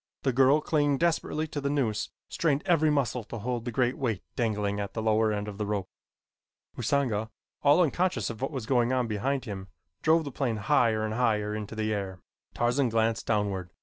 The girl, clinging desperately to the noose, strained every muscle to hold the great weight dangling at the lower end of the rope. Usanga, all unconscious of what was going on behind him, drove the plane higher and higher into the air. Tarzan glanced downward.